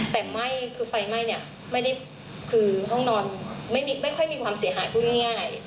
แต่ไหม้คือไฟไหม้เนี่ยไม่ได้คือห้องนอนไม่ค่อยมีความเสียหายพูดง่าย